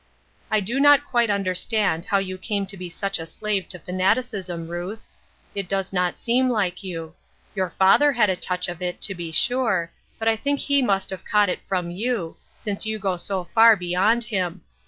" I do not quite understand how you came to be such a slave to fanaticism, Ruth ; it does not seem like you. Your father had a touch of it, to be sure, but I think he must have caught it from you, since you go so fur beyond him.